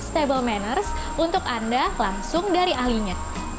tips table manners untuk anda langsung dari alinya